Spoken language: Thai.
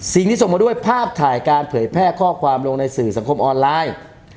สิ่งที่ส่งมาด้วยภาพถ่ายการเผยแพร่ข้อความลงในสื่อสังคมออนไลน์